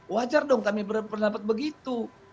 wajar dong kami berpendapat begitu